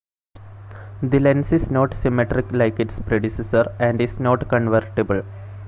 The lens is not symmetric like its predecessor and is not convertible.